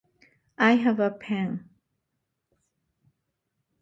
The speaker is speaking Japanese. I have a pen.